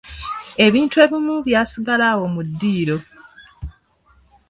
Ebintu ebimu byasigala awo mu ddiiro.